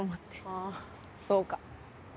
ああそうか。